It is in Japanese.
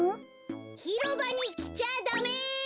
ひろばにきちゃダメ！